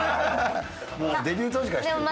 もうデビュー当時から知ってるから。